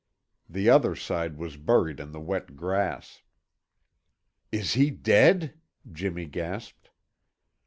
The other side was buried in the wet grass. "Is he dead?" Jimmy gasped.